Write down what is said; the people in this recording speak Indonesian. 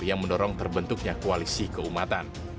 yang mendorong terbentuknya koalisi keumatan